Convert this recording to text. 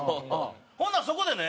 ほんならそこでね